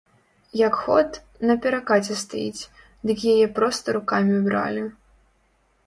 Як ход, на перакаце стаіць, дык яе проста рукамі бралі.